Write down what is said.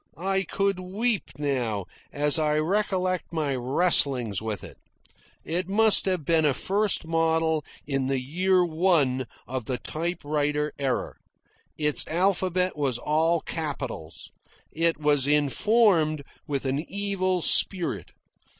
I could weep now as I recollect my wrestlings with it. It must have been a first model in the year one of the typewriter era. Its alphabet was all capitals. It was informed with an evil spirit.